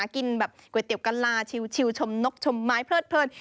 กินแบบก๋วยเตี๋ยวกะลาชิวชมนกชมไม้เพลิด